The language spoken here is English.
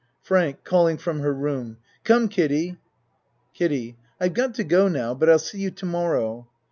FRANK (Calling from her room.) Come, Kid die. KIDDIE I've got to go now, but I'll see you to morrow.